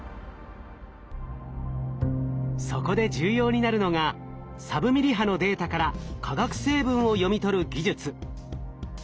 そこで重要になるのがサブミリ波のデータから化学成分を読み取る技術。